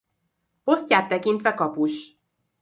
Posztját tekintve kapus.